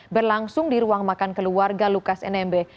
berlangsung di ruang makan keluarga lukas nmb